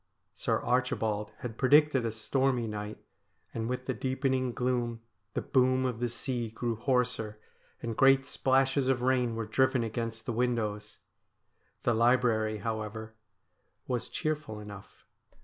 Sir Archibald had predicted a stormy night, and with the deepening gloom the boom of the sea grew hoarser, and great splashes of rain were driven against the windows. The library, however, was cheerful enough.